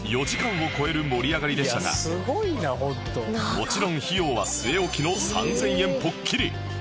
もちろん費用は据え置きの３０００円ぽっきり